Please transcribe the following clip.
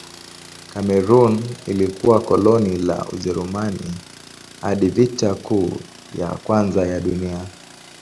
Kamerun ilikuwa koloni la Ujerumani hadi Vita Kuu ya Kwanza ya Dunia.